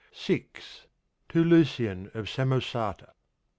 VI. To Lucian of Samosata.